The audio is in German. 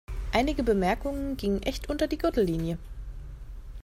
Einige Bemerkungen gingen echt unter die Gürtellinie.